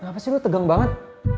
ngapasih lu tegang banget